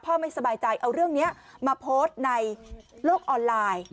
ไม่สบายใจเอาเรื่องนี้มาโพสต์ในโลกออนไลน์